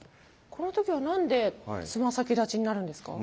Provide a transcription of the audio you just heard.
この時は何でつま先立ちになるんですか？